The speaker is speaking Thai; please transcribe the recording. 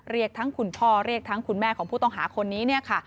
เรียกทั้งคุณพ่อเรียกทั้งคุณแม่ของผู้ต้องหาคนนี้เนี่ยค่ะ